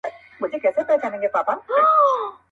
زموږ کاروان ته د هنر سپيني ډېوې سه,